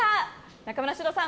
中村獅童さん